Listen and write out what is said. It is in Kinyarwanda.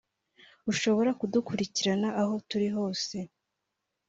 ushobora kudukurikirana aho turi hose